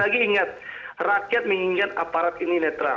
sekali lagi ingat rakyat mengingat aparat ini netral